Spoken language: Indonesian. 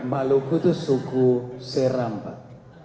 maluku itu suku seram pak